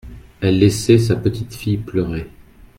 Elle laissait sa petite-fille pleurer.